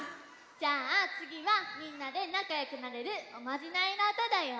じゃあつぎはみんなでなかよくなれるおまじないのうただよ！